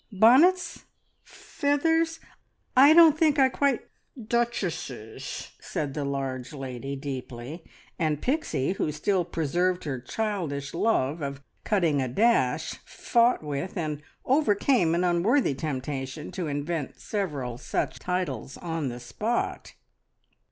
Bonnets? Feathers? I don't think I quite " "Duchesses!" said the large lady deeply. And Pixie, who still preserved her childish love of cutting a dash, fought with, and overcame an unworthy temptation to invent several such titles on the spot.